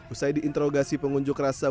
usai diinterogasi pengunjuk rasa